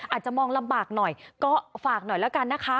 อาจจะมองลำบากหน่อยก็ฝากหน่อยแล้วกันนะคะ